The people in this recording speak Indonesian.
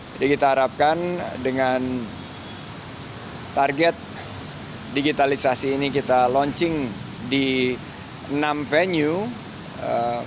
jadi kita harapkan dengan target digitalisasi ini kita launching di enam venue